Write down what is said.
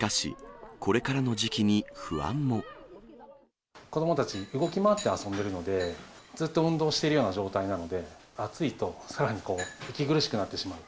しかし、子どもたち、動き回って遊んでいるので、ずっと運動しているような状態なので、暑いとさらにこう、息苦しくなってしまう。